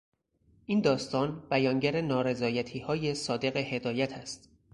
این داستان بیانگر نارضایتیهای صادق هدایت است.